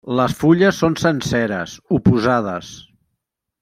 Les fulles són senceres, oposades.